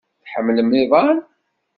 Tḥemmlem iḍan?